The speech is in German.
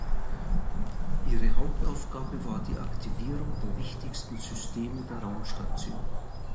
Ihre Hauptaufgabe war die Aktivierung der wichtigsten Systeme der Raumstation.